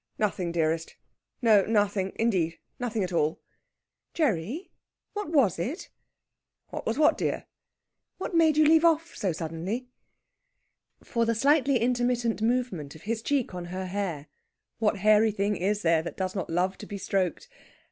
"Nothing, dearest! No, nothing!... Indeed, nothing at all!" "Gerry, what was it?" "What was what, dear?" "What made you leave off so suddenly?" For the slightly intermittent movement of his cheek on her hair what hairy thing is there that does not love to be stroked?